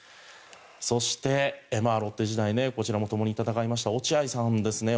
そして、ロッテ時代こちらもともに戦いました落合さんですね。